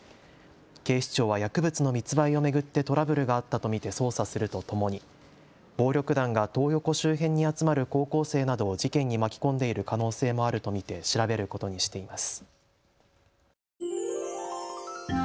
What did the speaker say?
警視庁は薬物の密売を巡ってトラブルがあったと見て捜査するとともに暴力団がトー横周辺に集まる高校生などを事件に巻き込んでいる可能性もあると見て調べることにしています。